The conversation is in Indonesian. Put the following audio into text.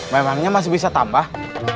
memangnya masih bisa tambah